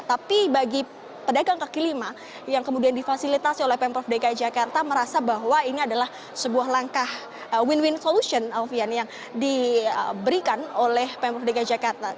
tapi bagi pedagang kaki lima yang kemudian difasilitasi oleh pemprov dki jakarta merasa bahwa ini adalah sebuah langkah win win solution alvian yang diberikan oleh pemprov dki jakarta